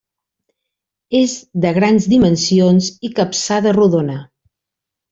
És de grans dimensions i capçada rodona.